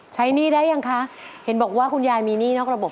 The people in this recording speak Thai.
หนี้ได้ยังคะเห็นบอกว่าคุณยายมีหนี้นอกระบบ